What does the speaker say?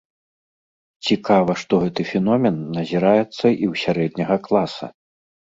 Цікава, што гэты феномен назіраецца і ў сярэдняга класа.